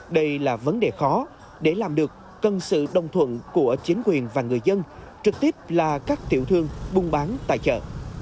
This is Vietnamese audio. đây là vấn đề khó để làm được cần sự đồng thuận của chính quyền và người dân trực tiếp là các tiểu thương buôn bán tài trợ